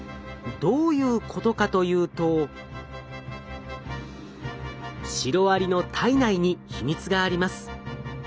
どういうことかというとシロアリの体内に秘密があります。